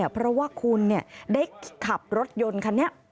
เพราะว่าคุณได้ขับรถยนต์คันนี้